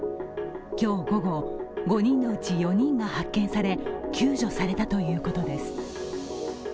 今日午後、５人のうち４人が発見され救助されたということです。